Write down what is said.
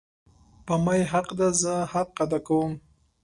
په ما یی حق ده زه حق ادا کوم